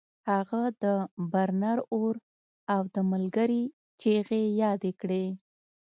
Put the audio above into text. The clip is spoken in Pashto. هغه د برنر اور او د ملګري چیغې یادې کړې